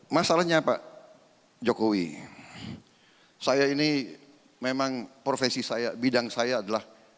masalahnya pak jokowi saya ini memang profesi saya bidang saya adalah